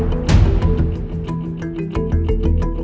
โดยคุยกับส่วนหญิงบ่อย